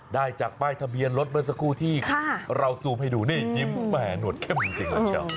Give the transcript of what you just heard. ได้จากป้ายทะเบียนรถบริสกุร์ที่เราซูมให้ดูนี่ยิ้มแม่หนวดเข้มจริง